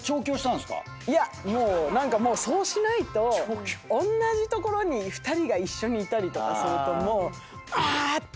いや何かもうそうしないとおんなじ所に２人が一緒にいたりとかするともうあ！ってなる。